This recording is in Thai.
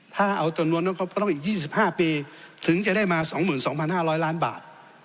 ถ้าเอาตัวนวลก็ต้องอีกยี่สิบห้าปีถึงจะได้มาสองหมื่นสองพันห้าร้อยล้านบาท